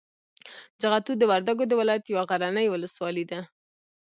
جغتو د وردګو د ولایت یوه غرنۍ ولسوالي ده.